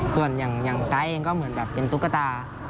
ส่วนอย่างไต๊เองก็เหมือนแบบเป็นตุ๊กตา